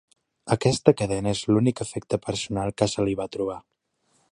Aquesta cadena és l'únic efecte personal que se li va trobar.